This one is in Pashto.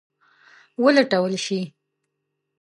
ولټول شي.